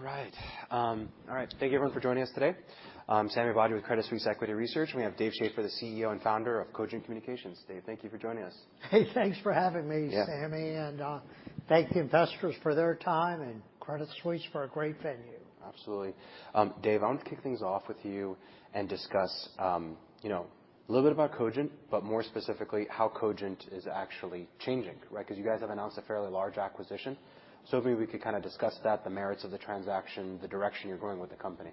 All right. Thank you everyone for joining us today. I'm Sami Badri with Credit Suisse Equity Research, and we have Dave Schaeffer, the CEO and founder of Cogent Communications. Dave, thank you for joining us. Hey, thanks for having me. Yeah. Sami, thank the investors for their time and Credit Suisse for a great venue. Absolutely. Dave, I want to kick things off with you and discuss, you know, a little bit about Cogent, but more specifically how Cogent is actually changing, right? 'Cause you guys have announced a fairly large acquisition. If maybe we could kinda discuss that, the merits of the transaction, the direction you're going with the company.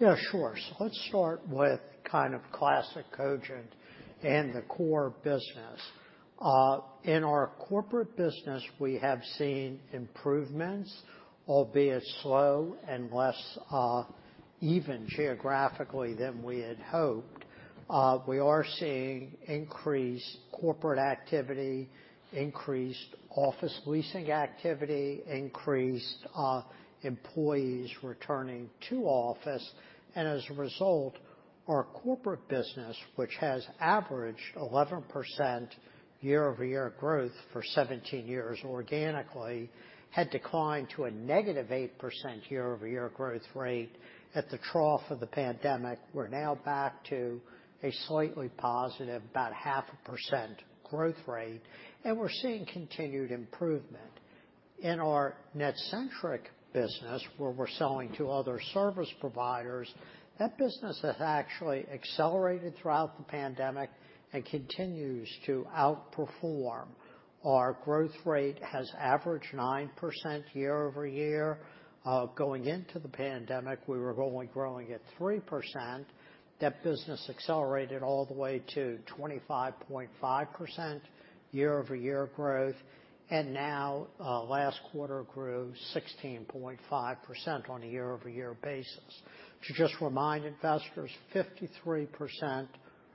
Yeah, sure. Let's start with kind of classic Cogent and the core business. In our corporate business, we have seen improvements, albeit slow and less even geographically than we had hoped. We are seeing increased corporate activity, increased office leasing activity, increased employees returning to office. And as a result, our corporate business, which has averaged 11% year-over-year growth for 17 years organically, had declined to a negative 8% year-over-year growth rate at the trough of the pandemic. We're now back to a slightly positive, about 0.5% growth rate, and we're seeing continued improvement. In our NetCentric business, where we're selling to other service providers, that business has actually accelerated throughout the pandemic and continues to outperform. Our growth rate has averaged 9% year-over-year. Going into the pandemic, we were only growing at 3%. That business accelerated all the way to 25.5% year-over-year growth. Now, last quarter grew 16.5% on a year-over-year basis. To just remind investors, 53%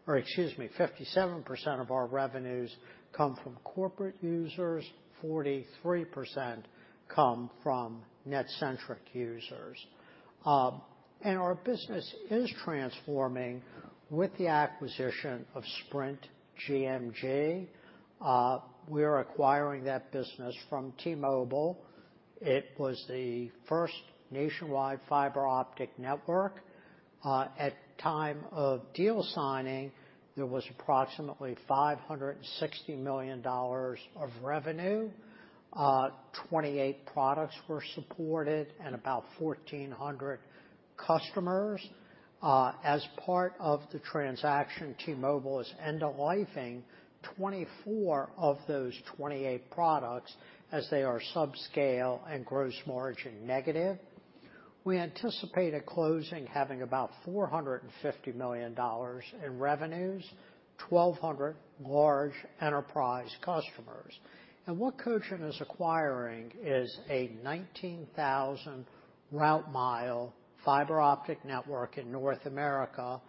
or excuse me, 57% of our revenues come from corporate users, 43% come from NetCentric users. Our business is transforming with the acquisition of Sprint GMG. We are acquiring that business from T-Mobile. It was the first nationwide fiber optic network. At time of deal signing, there was approximately $560 million of revenue, 28 products were supported and about 1,400 customers. As part of the transaction, T-Mobile is end-of-lifing 24 of those 28 products as they are subscale and gross margin negative. We anticipate a closing having about $450 million in revenues, 1,200 large enterprise customers. What Cogent is acquiring is a 19,000 route mile fiber optic network in North America,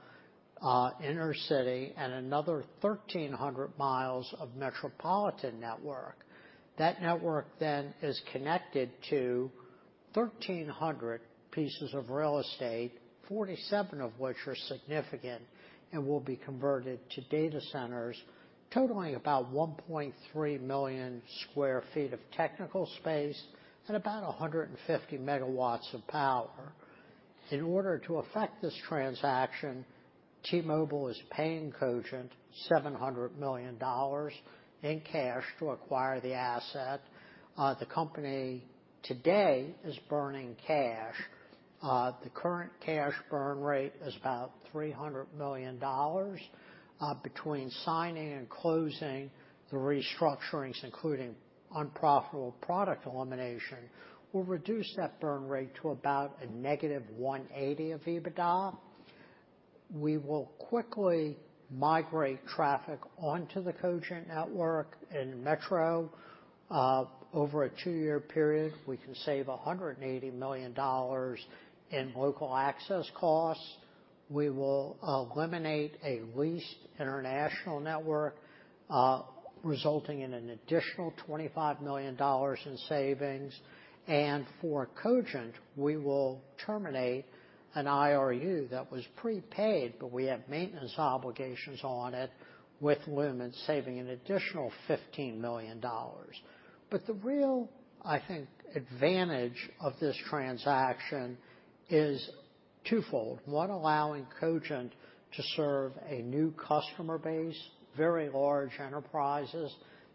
inner city, and another 1,300 miles of metropolitan network. That network is connected to 1,300 pieces of real estate, 47 of which are significant and will be converted to data centers, totaling about 1.3 million sq ft of technical space and about 150 MW of power. In order to affect this transaction, T-Mobile is paying Cogent $700 million in cash to acquire the asset. The company today is burning cash. The current cash burn rate is about $300 million. Between signing and closing, the restructurings, including unprofitable product elimination, will reduce that burn rate to about a negative 180 of EBITDA. We will quickly migrate traffic onto the Cogent network in Metro. Over a two-year period, we can save $180 million in local access costs. We will eliminate a leased international network, resulting in an additional $25 million in savings. For Cogent, we will terminate an IRU that was prepaid, but we have maintenance obligations on it with Lumen saving an additional $15 million. The real, I think, advantage of this transaction is twofold. One, allowing Cogent to serve a new customer base, very large enterprises.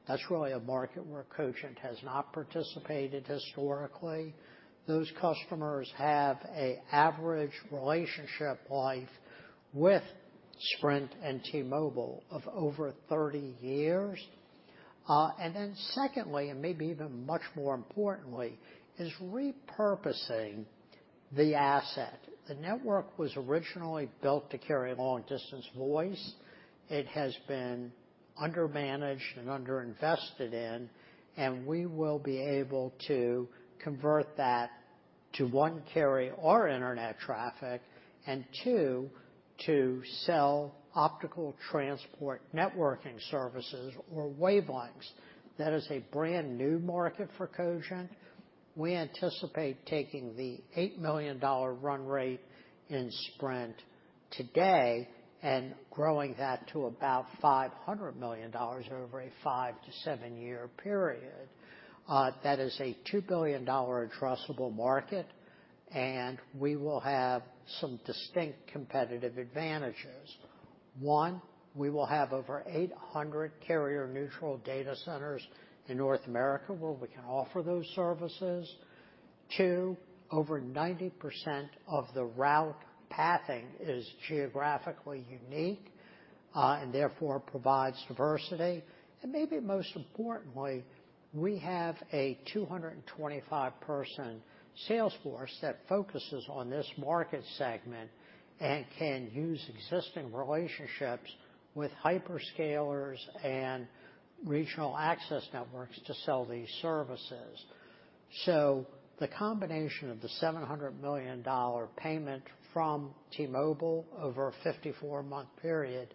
That's really a market where Cogent has not participated historically. Those customers have a average relationship life with Sprint and T-Mobile of over 30 years. Secondly, and maybe even much more importantly, is repurposing the asset. The network was originally built to carry long distance voice. It has been under-managed and under-invested in, and we will be able to convert that to, one, carry our internet traffic, and two, to sell optical transport networking services or wavelengths. That is a brand-new market for Cogent. We anticipate taking the $8 million run rate in Sprint, and growing that to about $500 million over a five to seven year period. That is a $2 billion addressable market. We will have some distinct competitive advantages. One, we will have over 800 carrier-neutral data centers in North America where we can offer those services. Two, over 90% of the route pathing is geographically unique. Therefore provides diversity. Maybe most importantly, we have a 225 person sales force that focuses on this market segment and can use existing relationships with hyperscalers and regional access networks to sell these services. The combination of the $700 million payment from T-Mobile over a 54-month period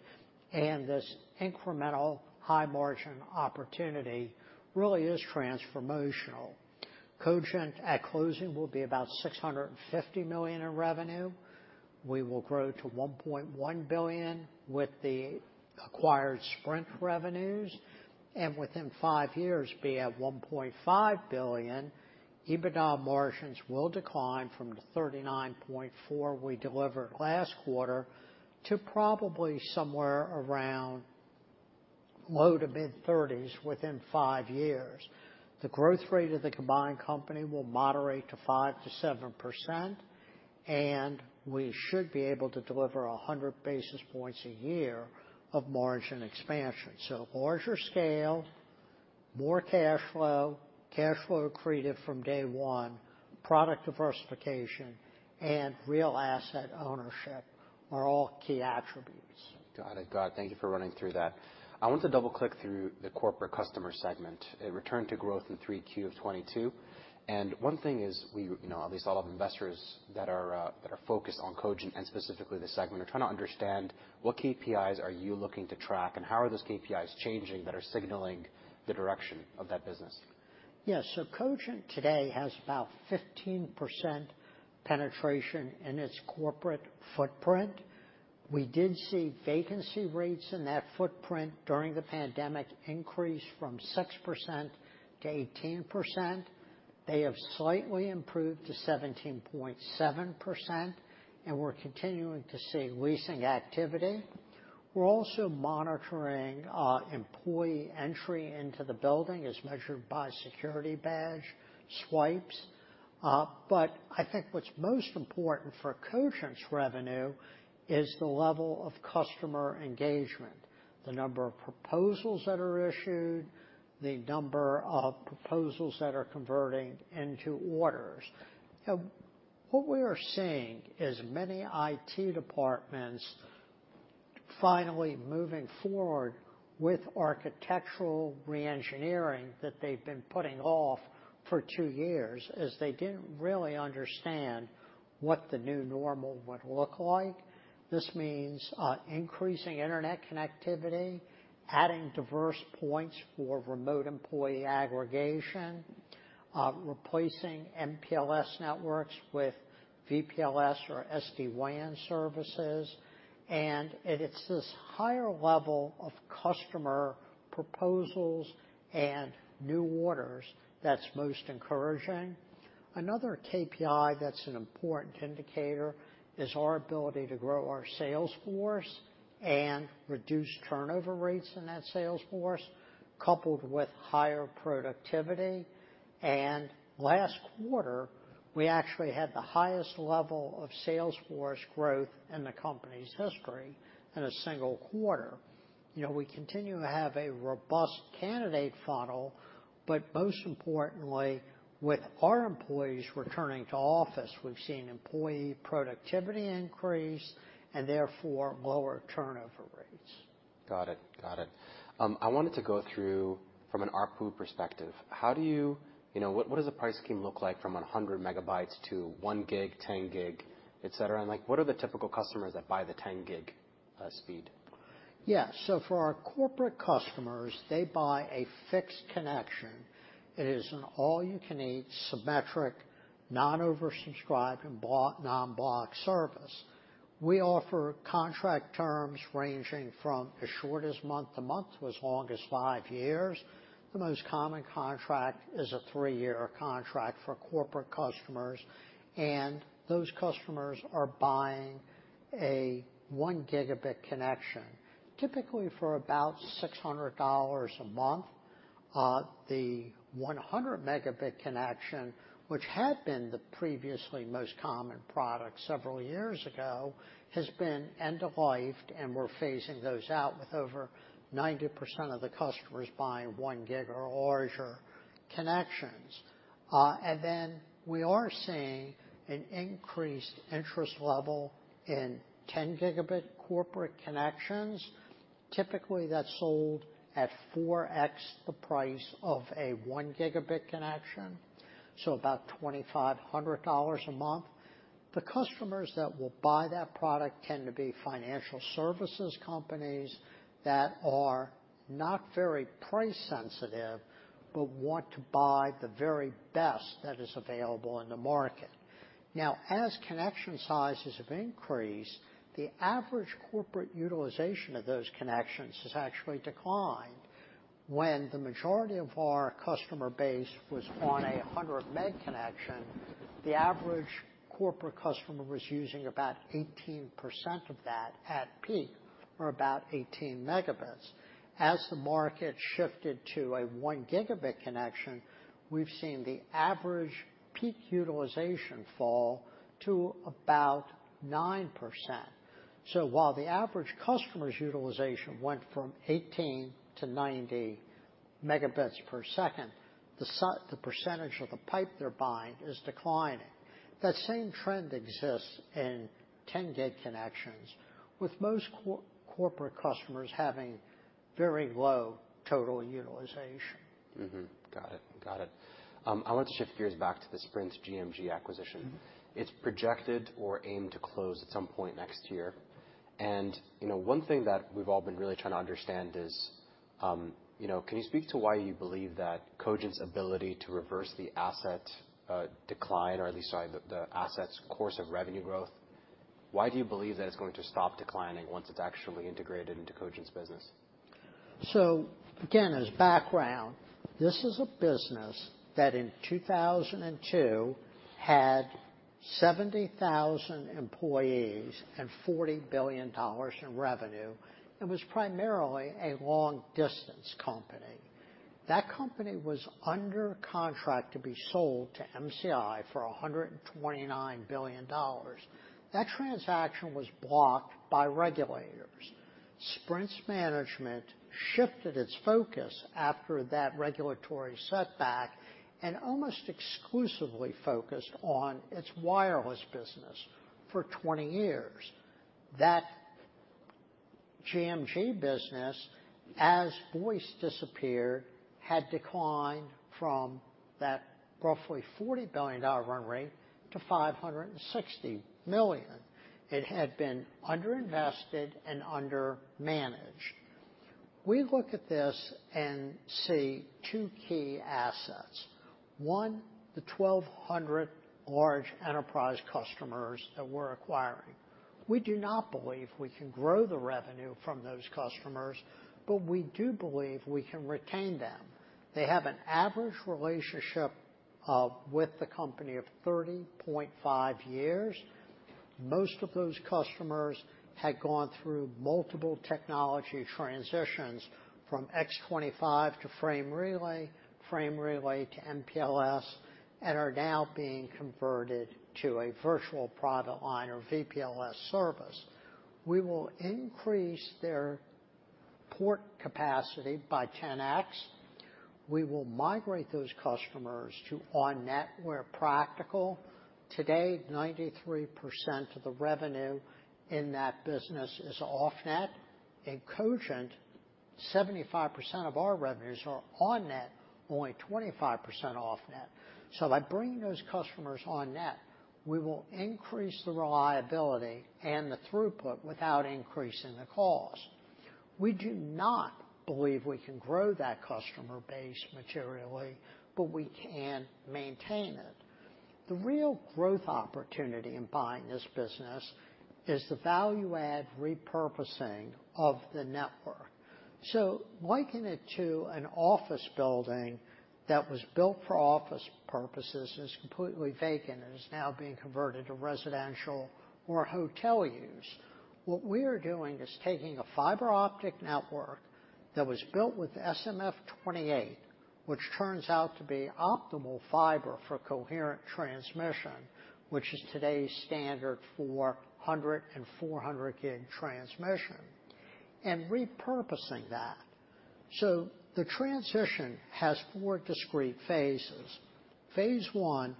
and this incremental high margin opportunity really is transformational. Cogent, at closing, will be about $650 million in revenue. We will grow to $1.1 billion with the acquired Sprint revenues, and within five years be at $1.5 billion. EBITDA margins will decline from the 39.4% we delivered last quarter to probably somewhere around low to mid-thirties within five years. The growth rate of the combined company will moderate to 5%-7%, and we should be able to deliver 100 basis points a year of margin expansion. Larger scale, more cash flow, cash flow accretive from day one, product diversification, and real asset ownership are all key attributes. Got it. Got it. Thank you for running through that. I want to double-click through the corporate customer segment. It returned to growth in 3Q of 2022. One thing is you know, at least all of the investors that are that are focused on Cogent and specifically this segment, are trying to understand what KPIs are you looking to track and how are those KPIs changing that are signaling the direction of that business? Yeah. Cogent today has about 15% penetration in its corporate footprint. We did see vacancy rates in that footprint during the pandemic increase from 6%-18%. They have slightly improved to 17.7%, and we're continuing to see leasing activity. We're also monitoring employee entry into the building as measured by security badge swipes. I think what's most important for Cogent's revenue is the level of customer engagement, the number of proposals that are issued, the number of proposals that are converting into orders. You know, what we are seeing is many IT departments finally moving forward with architectural re-engineering that they've been putting off for two years as they didn't really understand what the new normal would look like. This means increasing internet connectivity, adding diverse points for remote employee aggregation, replacing MPLS networks with VPLS or SD-WAN services. It is this higher level of customer proposals and new orders that's most encouraging. Another KPI that's an important indicator is our ability to grow our sales force and reduce turnover rates in that sales force, coupled with higher productivity. Last quarter, we actually had the highest level of sales force growth in the company's history in a single quarter. You know, we continue to have a robust candidate funnel, but most importantly, with our employees returning to office, we've seen employee productivity increase and therefore lower turnover rates. Got it. Got it. I wanted to go through from an ARPU perspective, you know, what does the price scheme look like from 100 MB to 1 G, 10 G, et cetera? Like, what are the typical customers that buy the 10 G speed? For our corporate customers, they buy a fixed connection. It is an all-you-can-eat symmetric, non-oversubscribed, non-blocked service. We offer contract terms ranging from as short as month-to-month to as long as five years. The most common contract is a three-year contract for corporate customers, those customers are buying a 1 Gb connection, typically for about $600 a month. The 100 Mb connection, which had been the previously most common product several years ago, has been end-of-lifed, and we're phasing those out with over 90% of the customers buying 1 Gb or larger connections. We are seeing an increased interest level in 10 Gb corporate connections. Typically, that's sold at 4x the price of a 1 Gb connection, about $2,500 a month. The customers that will buy that product tend to be financial services companies that are not very price sensitive, but want to buy the very best that is available in the market. As connection sizes have increased, the average corporate utilization of those connections has actually declined. When the majority of our customer base was on a 100 Mb connection, the average corporate customer was using about 18% of that at peak, or about 18 Mb. As the market shifted to a 1 Gb connection, we've seen the average peak utilization fall to about 9%. While the average customer's utilization went from 18-90 Mbps, the percentage of the pipe they're buying is declining. That same trend exists in 10 Gb connections, with most corporate customers having very low total utilization. Got it. Got it. I want to shift gears back to the Sprint's GMG acquisition. It's projected or aimed to close at some point next year. you know, one thing that we've all been really trying to understand is, can you speak to why you believe that Cogent's ability to reverse the asset, decline or at least, sorry, the assets course of revenue growth, why do you believe that it's going to stop declining once it's actually integrated into Cogent's business? Again, as background, this is a business that in 2002 had 70,000 employees and $40 billion in revenue and was primarily a long distance company. That company was under contract to be sold to MCI for $129 billion. That transaction was blocked by regulators. Sprint's management shifted its focus after that regulatory setback and almost exclusively focused on its wireless business for 20 years. That GMG business, as voice disappeared, had declined from that roughly $40 billion run rate to $560 million. It had been underinvested and under managed. We look at this and see two key assets. One, the 1,200 large enterprise customers that we're acquiring. We do not believe we can grow the revenue from those customers, but we do believe we can retain them. They have an average relationship with the company of 30.5 years. Most of those customers had gone through multiple technology transitions from X.25 to Frame Relay, Frame Relay to MPLS, and are now being converted to a virtual private line or VPLS service. We will increase their port capacity by 10x. We will migrate those customers to on-net where practical. Today, 93% of the revenue in that business is off-net. In Cogent, 75% of our revenues are on-net, only 25% off-net. By bringing those customers on-net, we will increase the reliability and the throughput without increasing the cost. We do not believe we can grow that customer base materially, but we can maintain it. The real growth opportunity in buying this business is the value-add repurposing of the network. Liken it to an office building that was built for office purposes, and it's completely vacant, and it's now being converted to residential or hotel use. What we are doing is taking a fiber optic network that was built with SMF-28, which turns out to be optimal fiber for coherent transmission, which is today's standard for 100 Gb and 400 Gb transmission, and repurposing that. The transition has four discrete phases. Phase 1,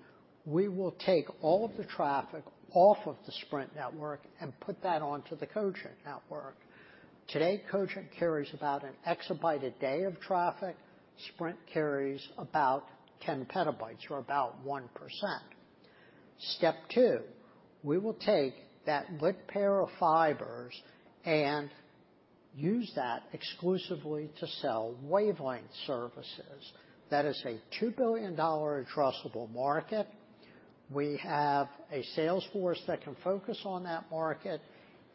we will take all of the traffic off of the Sprint network and put that onto the Cogent network. Today, Cogent carries about an exabyte a day of traffic. Sprint carries about 10 petabytes or about 1%. Step 2, we will take that lit pair of fibers and use that exclusively to sell wavelength services. That is a $2 billion addressable market. We have a sales force that can focus on that market,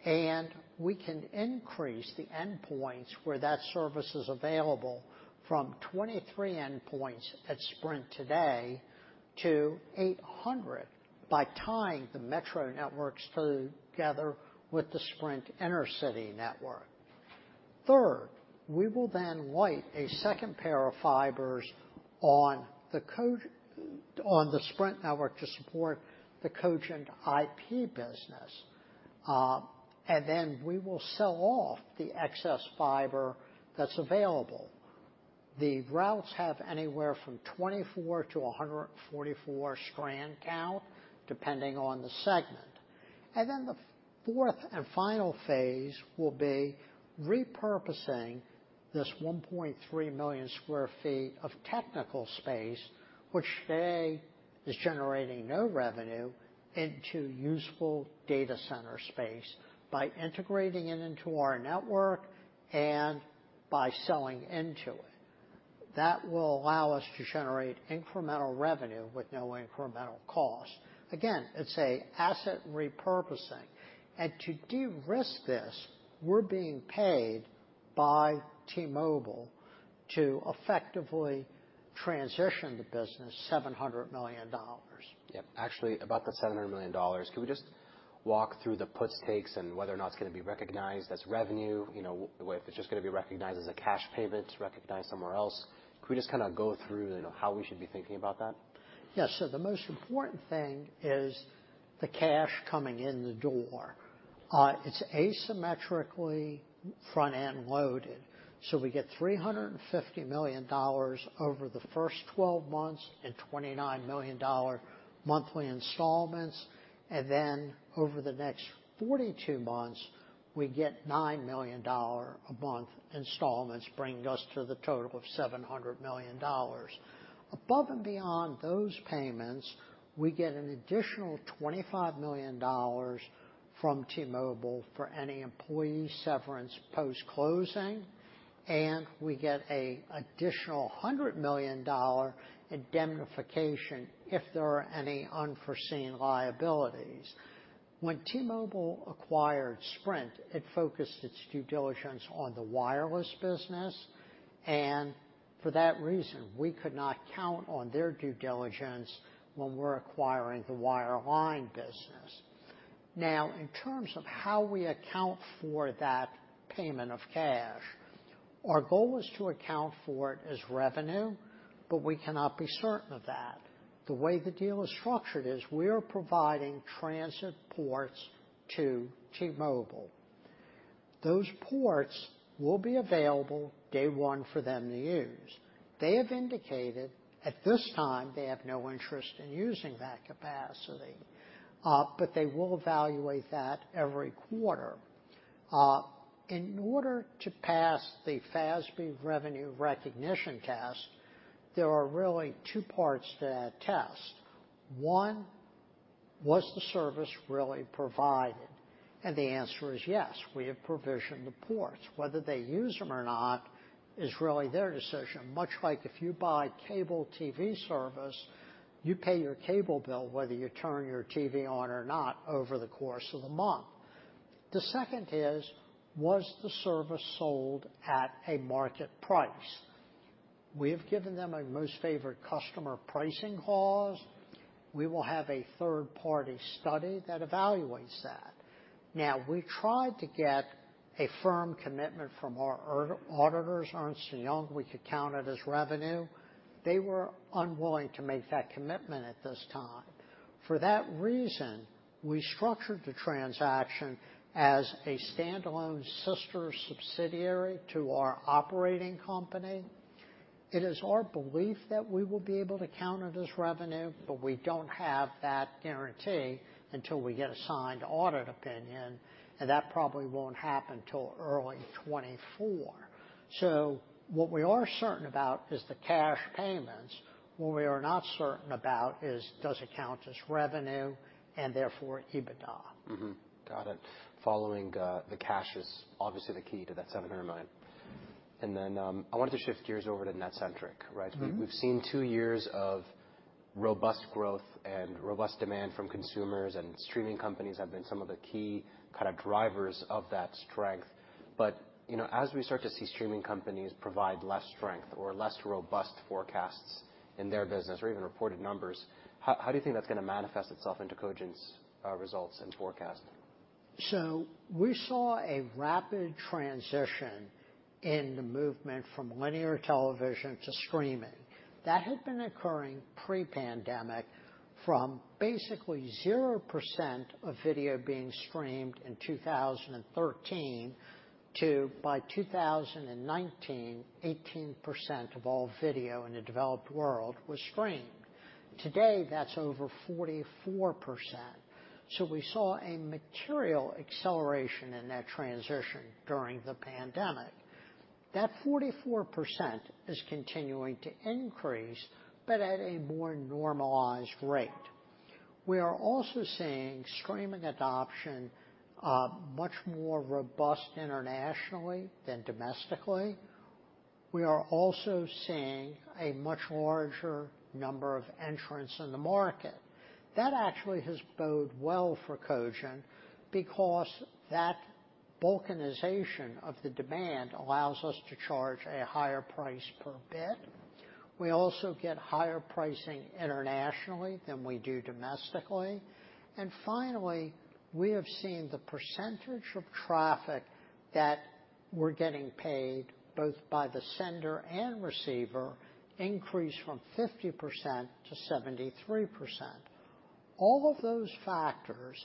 and we can increase the endpoints where that service is available from 23 endpoints at Sprint today to 800 by tying the metro networks together with the Sprint inner city network. Third, we will then light a second pair of fibers on the Sprint network to support the Cogent IP business. Then we will sell off the excess fiber that's available. The routes have anywhere from 24–144 strand count, depending on the segment. Then the fourth and final phase will be repurposing this 1.3 million sq ft of technical space, which today is generating no revenue, into useful data center space by integrating it into our network and by selling into it. That will allow us to generate incremental revenue with no incremental cost. Again, it's a asset repurposing. To de-risk this, we're being paid by T-Mobile to effectively transition the business $700 million. Yep. Actually, about the $700 million, can we just walk through the puts takes and whether or not it's gonna be recognized as revenue, you know, whether it's just gonna be recognized as a cash payment, recognized somewhere else. Can we just kinda go through how we should be thinking about that? Yeah. The most important thing is the cash coming in the door. It's asymmetrically front-end loaded, so we get $350 million over the first 12 months and $29 million monthly installments, and then over the next 42 months, we get $9 million a month installments, bringing us to the total of $700 million. Above and beyond those payments, we get an additional $25 million from T-Mobile for any employee severance post-closing, and we get a additional $100 million indemnification if there are any unforeseen liabilities. When T-Mobile acquired Sprint, it focused its due diligence on the wireless business, and for that reason, we could not count on their due diligence when we're acquiring the wireline business. In terms of how we account for that payment of cash, our goal is to account for it as revenue, we cannot be certain of that. The way the deal is structured is we are providing transit ports to T-Mobile. Those ports will be available day one for them to use. They have indicated, at this time, they have no interest in using that capacity, they will evaluate that every quarter. In order to pass the FASB revenue recognition test, there are really two parts to that test. One, was the service really provided? The answer is yes. We have provisioned the ports. Whether they use them or not is really their decision, much like if you buy cable TV service, you pay your cable bill whether you turn your TV on or not over the course of the month. The second is, was the service sold at a market price? We have given them a most favorite customer pricing clause. We will have a third-party study that evaluates that. We tried to get a firm commitment from our auditors, Ernst & Young, we could count it as revenue. They were unwilling to make that commitment at this time. For that reason, we structured the transaction as a standalone sister subsidiary to our operating company. It is our belief that we will be able to count it as revenue, but we don't have that guarantee until we get a signed audit opinion, and that probably won't happen till early 2024. What we are certain about is the cash payments. What we are not certain about is does it count as revenue, and therefore EBITDA. Got it. Following the cash is obviously the key to that $700 million. Then, I wanted to shift gears over to NetCentric, right? We've seen two years of robust growth and robust demand from consumers, and streaming companies have been some of the key kinda drivers of that strength. As we start to see streaming companies provide less strength or less robust forecasts in their business or even reported numbers, how do you think that's gonna manifest itself into Cogent's results and forecast? We saw a rapid transition in the movement from linear television to streaming. That had been occurring pre-pandemic from basically 0% of video being streamed in 2013 to, by 2019, 18% of all video in the developed world was streamed. Today, that's over 44%. We saw a material acceleration in that transition during the pandemic. That 44% is continuing to increase but at a more normalized rate. We are also seeing streaming adoption much more robust internationally than domestically. We are also seeing a much larger number of entrants in the market. That actually has bode well for Cogent because that balkanization of the demand allows us to charge a higher price per bit. We also get higher pricing internationally than we do domestically. Finally, we have seen the percentage of traffic that we're getting paid, both by the sender and receiver, increase from 50%-73%. All of those factors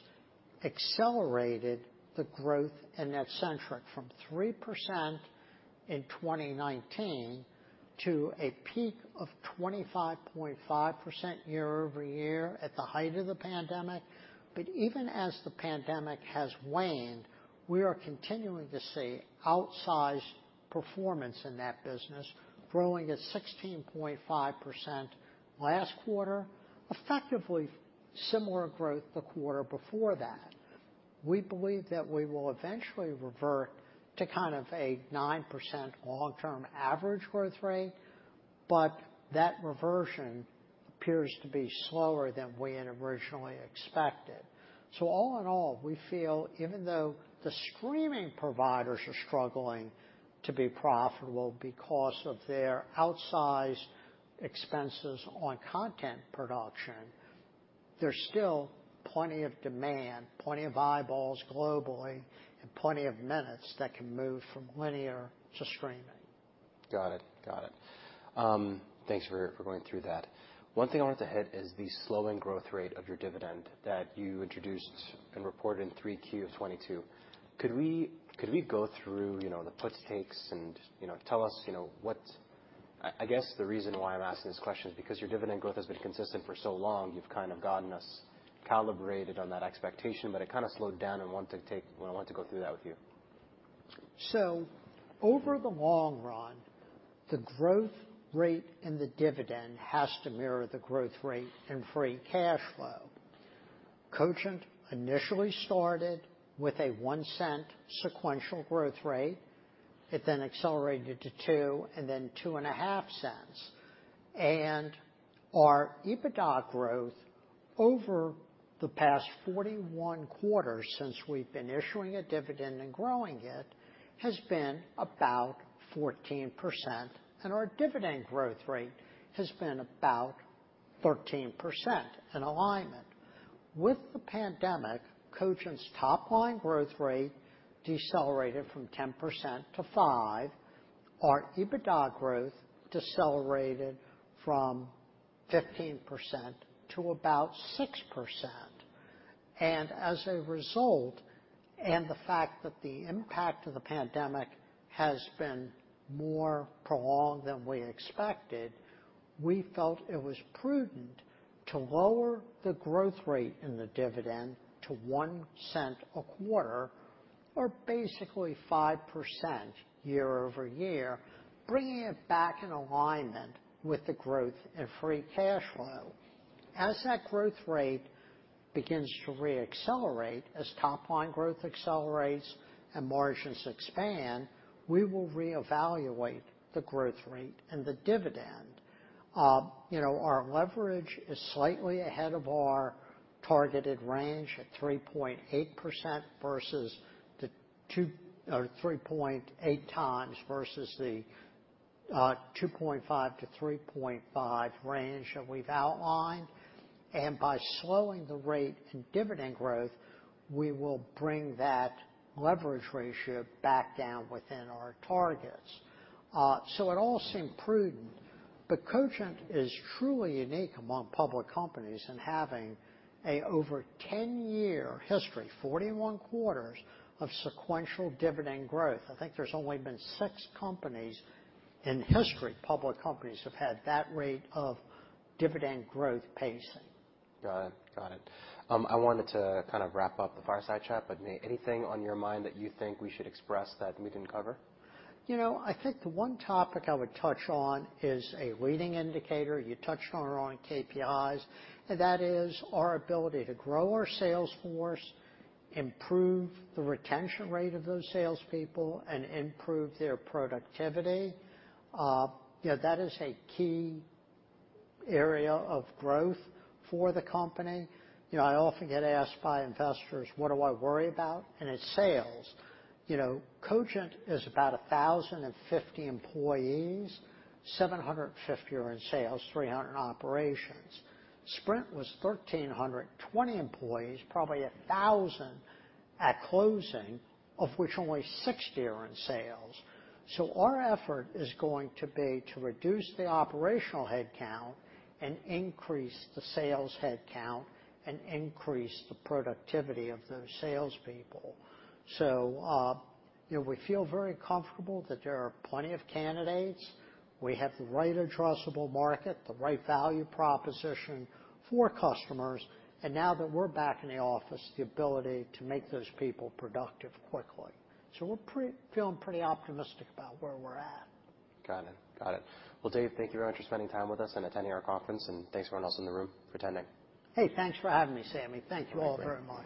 accelerated the growth in NetCentric from 3% in 2019 to a peak of 25.5% year-over-year at the height of the pandemic. Even as the pandemic has waned, we are continuing to see outsized performance in that business, growing at 16.5% last quarter, effectively similar growth the quarter before that. We believe that we will eventually revert to kind of a 9% long-term average growth rate, but that reversion appears to be slower than we had originally expected. All in all, we feel even though the streaming providers are struggling to be profitable because of their outsized expenses on content production, there's still plenty of demand, plenty of eyeballs globally, and plenty of minutes that can move from linear to streaming. Got it. Thanks for going through that. One thing I wanted to hit is the slowing growth rate of your dividend that you introduced and reported in 3Q of 2022. Could we go through the puts, takes, and tell us what—I guess the reason why I'm asking this question is because your dividend growth has been consistent for so long, you've kind of gotten us calibrated on that expectation, but it kinda slowed down and I want to go through that with you. Over the long run, the growth rate in the dividend has to mirror the growth rate in free cash flow. Cogent initially started with a $0.01 sequential growth rate. It then accelerated to $0.02 and then $0.025. Our EBITDA growth over the past 41 quarters since we've been issuing a dividend and growing it has been about 14%, and our dividend growth rate has been about 13%, in alignment. With the pandemic, Cogent's top line growth rate decelerated from 10% to 5%. Our EBITDA growth decelerated from 15% to about 6%. As a result, and the fact that the impact of the pandemic has been more prolonged than we expected, we felt it was prudent to lower the growth rate in the dividend to $0.01 a quarter or basically 5% year-over-year, bringing it back in alignment with the growth in free cash flow. As that growth rate begins to re-accelerate, as top line growth accelerates and margins expand, we will reevaluate the growth rate and the dividend. Our leverage is slightly ahead of our targeted range at 3.8x versus the 2.5–3.5x range that we've outlined. By slowing the rate in dividend growth, we will bring that leverage ratio back down within our targets. It all seemed prudent. Cogent is truly unique among public companies in having a over 10-year history, 41 quarters of sequential dividend growth. I think there's only been six companies in history, public companies, have had that rate of dividend growth pacing. Got it. Got it. I wanted to kind of wrap up the fireside chat, anything on your mind that you think we should express that we didn't cover? You know, I think the one topic I would touch on is a leading indicator you touched on around KPIs. That is our ability to grow our sales force, improve the retention rate of those salespeople, and improve their productivity. You know, that is a key area of growth for the company. You know, I often get asked by investors, what do I worry about? It's sales. You know, Cogent is about 1,050 employees. 750 are in sales, 300 in operations. Sprint was 1,320 employees, probably 1,000 at closing, of which only 60 are in sales. Our effort is going to be to reduce the operational headcount and increase the sales headcount and increase the productivity of those salespeople. You know, we feel very comfortable that there are plenty of candidates. We have the right addressable market, the right value proposition for customers, and now that we're back in the office, the ability to make those people productive quickly. We're feeling pretty optimistic about where we're at. Got it. Well, Dave, thank you very much for spending time with us and attending our conference. Thanks to everyone else in the room for attending. Hey, thanks for having me, Sami. Thank you all very much.